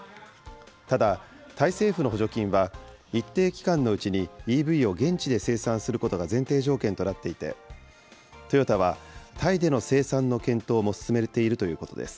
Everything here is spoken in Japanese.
ただ、タイ政府の補助金は、一定期間のうちにＥＶを現地で生産することが前提条件となっていて、トヨタはタイでの生産の検討も進めているということです。